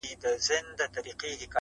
ما دی درکړی خپل زړه تاته امانت شېرينې~